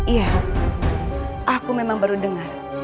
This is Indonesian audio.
iya aku memang baru dengar